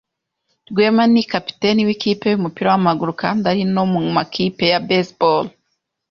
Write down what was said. Rwema ni kapiteni wikipe yumupira wamaguru kandi ari no mumakipe ya baseball.